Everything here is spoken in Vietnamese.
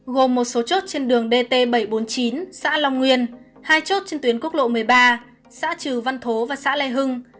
gồm một số chốt trên đường dt bảy trăm bốn mươi chín xã long nguyên hai chốt trên tuyến quốc lộ một mươi ba xã trừ văn thố và xã lê hưng